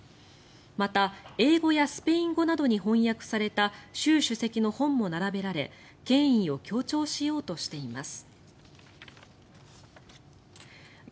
また英語やスペイン語などに翻訳された習主席の本も並べられ権威を強調しようとしています。